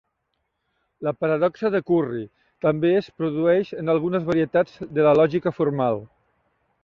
La paradoxa de Curry també es produeix en algunes varietats de la lògica formal.